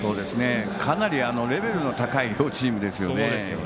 かなりレベルの高い両チームですよね。